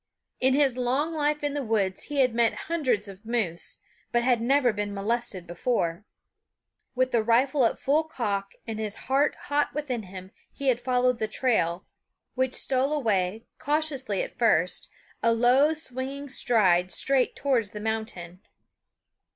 In his long life in the woods he had met hundreds of moose, but had never been molested before. With the rifle at full cock and his heart hot within him, he had followed the trail, which stole away, cautiously at first, a long swinging stride straight towards the mountain.